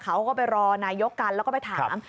เขาก็ไปรอนายกกันแล้วก็ไปถาม